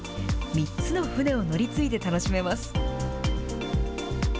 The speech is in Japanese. ３つの船を乗り継いで楽しめます。